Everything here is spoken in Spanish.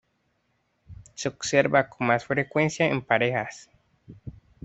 Se observa con más frecuencia en parejas.